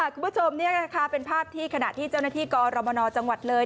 คุณผู้ชมนี่นะคะเป็นภาพที่ขณะที่เจ้าหน้าที่กรมนจังหวัดเลย